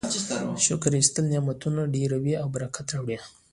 شکر ایستل نعمتونه ډیروي او برکت راوړي.